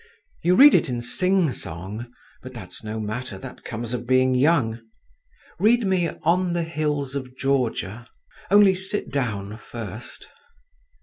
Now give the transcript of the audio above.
You read it in sing song, but that's no matter, that comes of being young. Read me 'On the Hills of Georgia.' Only sit down first."